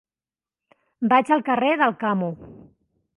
Vaig al carrer d'Alcamo.